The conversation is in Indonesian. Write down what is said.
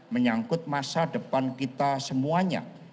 menyangkut masa depan kita semuanya